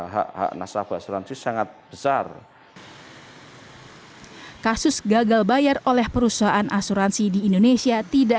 perusahaan asuransi sangat besar kasus gagal bayar oleh perusahaan asuransi di indonesia tidak